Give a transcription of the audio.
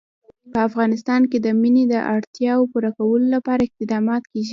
په افغانستان کې د منی د اړتیاوو پوره کولو لپاره اقدامات کېږي.